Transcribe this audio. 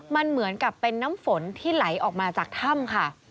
มันเหมือนกับเป็นน้ำฝนที่ไหลออกมาจากถ้ำค่ะ